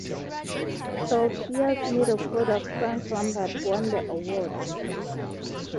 Chelsea's midfielder Frank Lampard won the award.